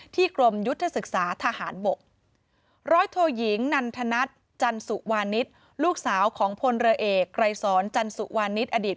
กรมยุทธศึกษาทหารบกร้อยโทยิงนันทนัทจันสุวานิสลูกสาวของพลเรือเอกไกรสอนจันสุวานิสอดีต